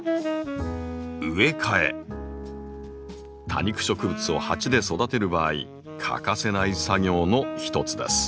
多肉植物を鉢で育てる場合欠かせない作業のひとつです。